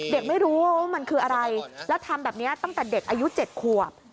เด็กไม่รู้ว่ามันคืออะไรแล้วทำแบบนี้ตั้งแต่เด็กอายุ๗ขวบ